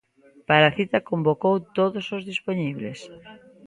Para a cita convocou todos os dispoñibles.